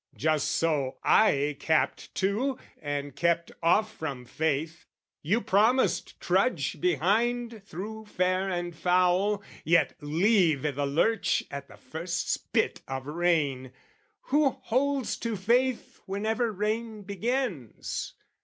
Just so I capped to and kept off from faith You promised trudge behind through fair and foul, Yet leave i' the lurch at the first spit of rain. Who holds to faith whenever rain begins?